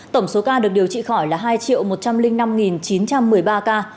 tổng số ca được điều trị khỏi là hai một trăm linh năm chín trăm một mươi ba ca